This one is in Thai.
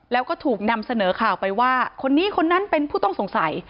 แล้วก็ถูกนำเสนอข่าวไปว่าคนนี้คนนั้นเป็นผู้ต้องสงสัย